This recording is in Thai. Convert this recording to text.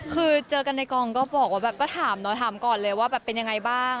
คือเจอกันในกองก็บอกว่าแบบก็ถามเนาะถามก่อนเลยว่าแบบเป็นยังไงบ้าง